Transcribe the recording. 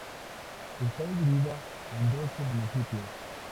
Está dividida en doce municipios.